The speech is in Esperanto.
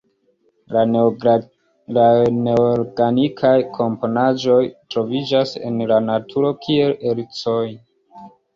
La neorganikaj komponaĵoj troviĝas en la naturo kiel ercoj.